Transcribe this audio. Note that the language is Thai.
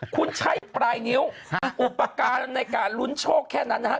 คุณใช้ปลายนิ้วอุปกรณ์ในการลุ้นโชคแค่นั้นนะฮะ